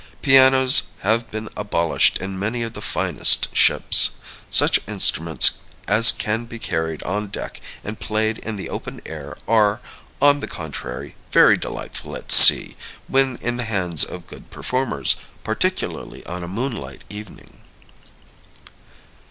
Pianos have been abolished in many of the finest ships. Such instruments as can be carried on deck and played in the open air are, on the contrary, very delightful at sea, when in the hands of good performers particularly on a moonlight evening.